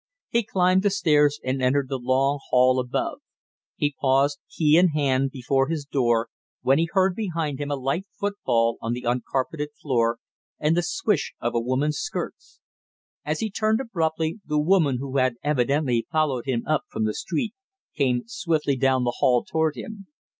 He climbed the stairs and entered the long hail above. He paused, key in hand, before his door, when he heard behind him a light footfall on the uncarpeted floor and the swish of a woman's skirts. As he turned abruptly, the woman who had evidently followed him up from the street, came swiftly down the hall toward him.